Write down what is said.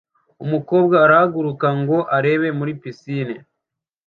Umukobwa arahaguruka ngo arebe muri pisine